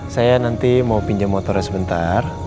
saya nanti mau pinjam motornya sebentar